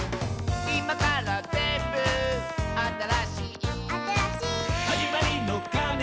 「いまからぜんぶあたらしい」「あたらしい」「はじまりのかねが」